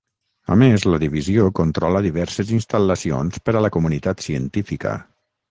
A més, la divisió controla diverses instal·lacions per a la comunitat científica.